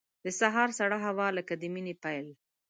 د سهار سړه هوا لکه د مینې پیل.